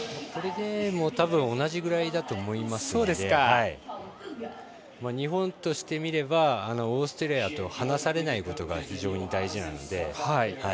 これでも同じぐらいだと思いますので日本としてみればオーストリアと離されないことが非常に大事なので。